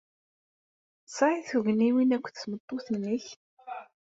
Tesɛid tugniwin akked tmeṭṭut-nnek?